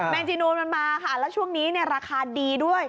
งจีนูนมันมาค่ะแล้วช่วงนี้เนี่ยราคาดีด้วย